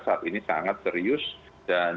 saat ini sangat serius dan